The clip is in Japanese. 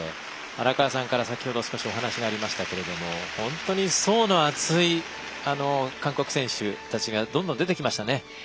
荒川さんから先ほどお話がありましたけど本当に層の厚い韓国選手たちがどんどん出てきましたね。